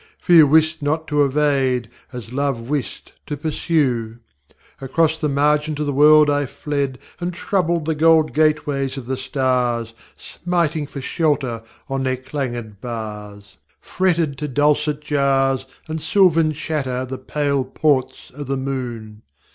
Fear wist not to evade, as Love wist to pursue. Across the margent of the world I fled, And troubled the gold gateways of the stars, Smiting for shelter on their clang├©d bars; Fretted to dulcet jars And silvern chatter the pale ports oŌĆÖ the moon.